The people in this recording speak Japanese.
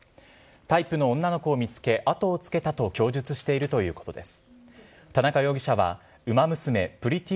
タイプの女の子を見つけ、後をつけたと供述しているということです。